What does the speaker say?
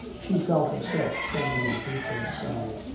She felt herself trembling deep inside.